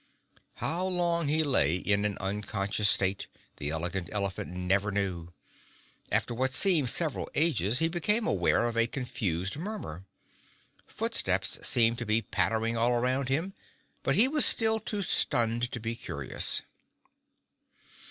How long he lay in an unconscious state the Elegant Elephant never knew. After what seemed several ages he became aware of a confused murmur. Footsteps seemed to be pattering all around him, but he was still too stunned to be curious.